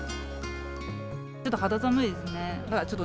ちょっと肌寒いですね。